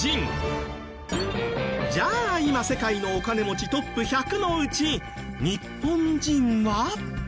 じゃあ今世界のお金持ちトップ１００のうち日本人は。